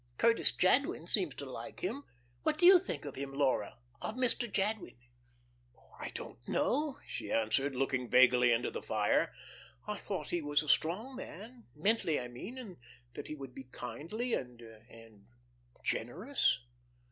Curtis Jadwin seems to like him.... What do you think of him, Laura of Mr. Jadwin?" "I don't know," she answered, looking vaguely into the fire. "I thought he was a strong man mentally I mean, and that he would be kindly and and generous.